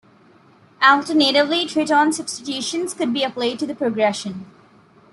Alternatively, tritone substitutions could be applied to the progression.